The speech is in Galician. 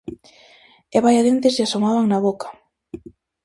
E vaia dentes lle asomaban na boca!